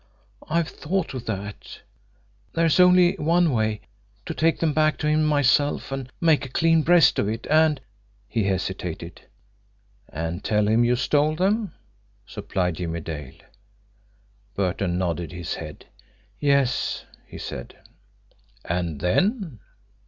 "I've thought of that. There's only one way to take them back to him myself, and make a clean breast of it, and " He hesitated. "And tell him you stole them," supplied Jimmie Dale. Burton nodded his head. "Yes," he said. "And then?"